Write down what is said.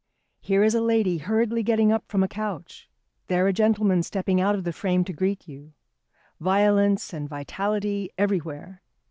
Here is a lady hurriedly getting up from a couch, there a gentleman stepping out of the frame to greet you, violence and vitality everywhere.